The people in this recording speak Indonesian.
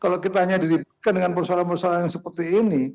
kalau kita hanya dilibatkan dengan persoalan persoalan yang seperti ini